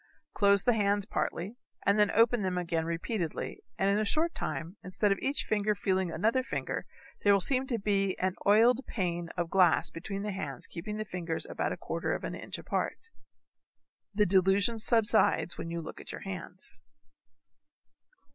Close the hands partly and open them again repeatedly and in a short time instead of each finger's feeling another finger there will seem to be an oiled pane of glass between the hands keeping the fingers about a quarter of an inch apart. The delusion subsides when you look at your hands.